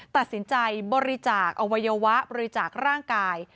ตัดสินใจบริจาคอวัยวะบริจาคร่างกาย